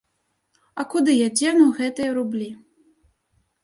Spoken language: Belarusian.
А куды я дзену гэтыя рублі?